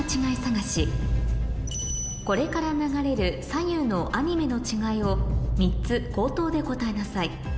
これから流れる左右のアニメの違いを３つ口頭で答えなさい